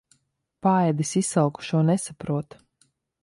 Paēdis izsalkušo nesaprot.